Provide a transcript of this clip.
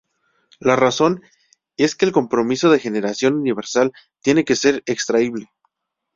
La razón es que el compromiso de generación universal tiene que ser "extraíble".